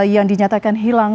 yang dinyatakan hilang